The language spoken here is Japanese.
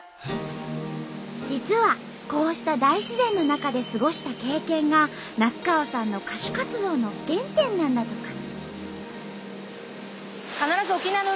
実はこうした大自然の中で過ごした経験が夏川さんの歌手活動の原点なんだとか。